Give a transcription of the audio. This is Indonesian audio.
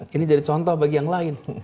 ini jadi contoh bagi yang lain